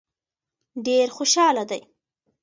ډېر خوشاله دي.